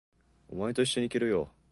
お前と一緒に行けるよ。